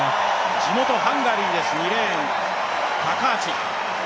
地元ハンガリーです、２レーン、タカーチ。